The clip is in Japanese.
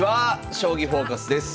「将棋フォーカス」です。